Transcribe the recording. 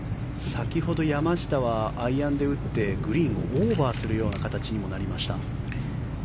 先ほど山下はアイアンで打ってグリーンをオーバーする形にもなりました。